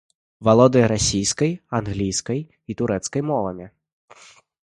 Валодае расійскай, англійскай і турэцкай мовамі.